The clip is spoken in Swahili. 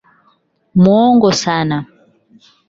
Muongo sana.